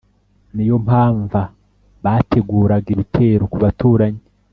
niyompamva bateguraga ibitero kubaturanyi